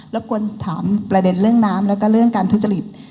กวนถามประเด็นเรื่องน้ำแล้วก็เรื่องการทุจริต